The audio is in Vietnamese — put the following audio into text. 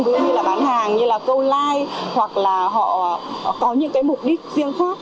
như là bán hàng như là câu like hoặc là họ có những cái mục đích riêng khác